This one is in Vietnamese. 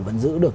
vẫn giữ được